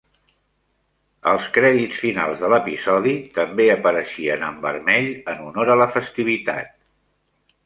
Els crèdits finals de l'episodi també apareixien en vermell en honor a la festivitat.